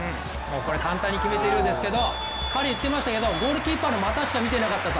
これ簡単に決めてるようですけど、彼言ってましたけどゴールキーパーの股しか見ていなかったと。